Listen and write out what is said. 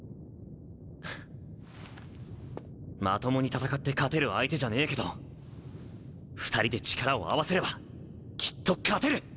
まともに戦って勝てる相手じゃねえけど２人で力を合わせればきっと勝てる！